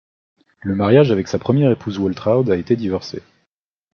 Le mariage avec sa première épouse Waltraud a été divorcé.